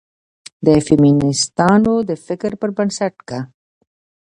د فيمنستانو د فکر پر بنسټ، که